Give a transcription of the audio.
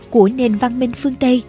của nền văn minh phương tây